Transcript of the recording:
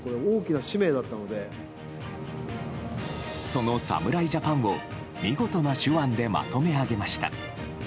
その侍ジャパンを見事な手腕でまとめ上げました。